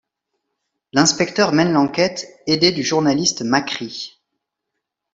L'inspecteur mène l'enquête aidé du journaliste Makris.